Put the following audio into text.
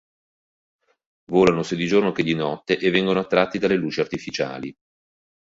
Volano sia di giorno che di notte e vengono attratti dalle luci artificiali.